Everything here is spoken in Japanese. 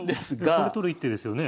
これ取る一手ですよね。